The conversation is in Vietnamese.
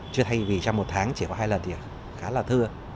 chứ thay vì trong một tháng chỉ có hai lần thì khá là thưa